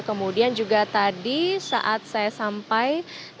kemudian juga tadi saat saya sampai